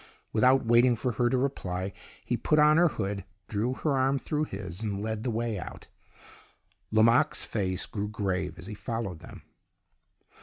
Without waiting for her to reply, he put on her hood, drew her arm through his, and led the way out. Lomaque's face grew grave as he followed them.